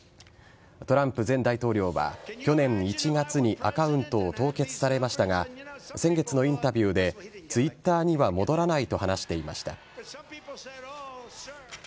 トランプ前大統領は去年１月にアカウントを凍結されましたが先月のインタビューでＴｗｉｔｔｅｒには戻らないと話していました。